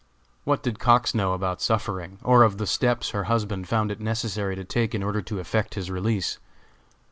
What did Cox know about suffering, or of the steps her husband found it necessary to take in order to effect his release?